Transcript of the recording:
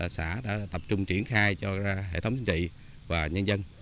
xã đã tập trung triển khai cho hệ thống chính trị và nhân dân